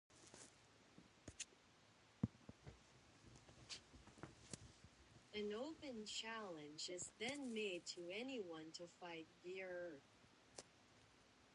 An open challenge is then made to anyone to fight Gyor.